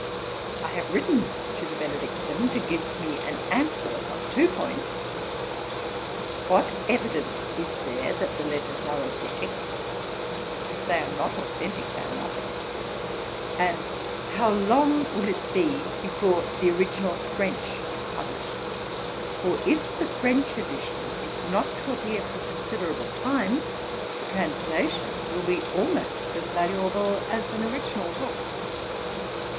I have written to the Benedictine to give me an answer upon two points What evidence is there that the letters are authentick? (for if they are not authentick they are nothing;) And how long will it be before the original French is published? For if the French edition is not to appear for a considerable time, the translation will be almost as valuable as an original book.